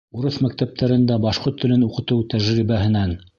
Урыҫ мәктәптәрендә башҡорт телен уҡытыу тәжрибәһенән